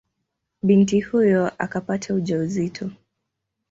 Binti huyo akapata ujauzito.